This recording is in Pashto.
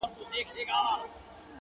ستا د خولې خندا يې خوښه سـوېده.